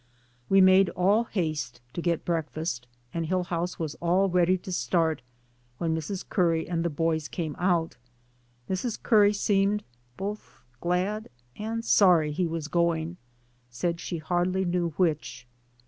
We made all haste to get breakfast, and Hillhouse was all ready to start when Mrs. Curry and the boys came out. Mrs. Curry seemed both glad and sorry he was going, said she hardly knew which.